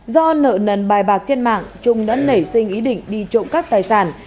do nợ nần bài bạc trên mạng trung đã nảy sinh ý định đi trộm các tài sản